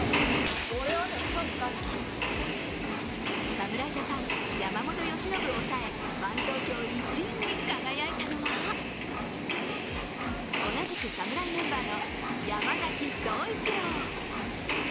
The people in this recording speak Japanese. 侍ジャパン・山本由伸を抑えファン投票１位に輝いたのは同じく侍メンバーの山崎颯一郎。